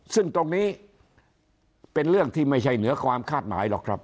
ซึ่งตรงนี้เป็นเรื่องที่ไม่ใช่เหนือความคาดหมายหรอกครับ